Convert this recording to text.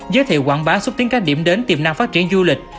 giới thiệu quảng bá xúc tiến các điểm đến tiềm năng phát triển du lịch